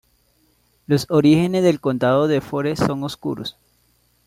Los orígenes del condado de Forez son oscuros.